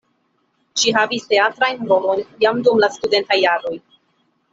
Ŝi havis teatrajn rolojn jam dum la studentaj jaroj.